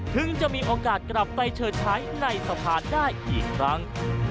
ถึงจะมีโอกาสกลับไปเชิดใช้ในสภาได้อีกครั้ง